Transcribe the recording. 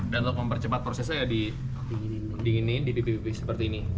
dan untuk mempercepat prosesnya ya di dinginin dipipipis seperti ini